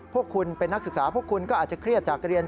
พวกคุณเป็นนักศึกษาพวกคุณก็อาจจะเครียดจากเรียน